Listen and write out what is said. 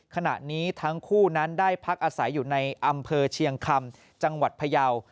ขณะนี้ทั้งคู่นั้นได้พักอาศัยอยู่ในอำเภอเชียงคำจังหวัดพยาว